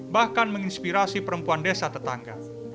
bahkan menginspirasi perempuan desa tetangga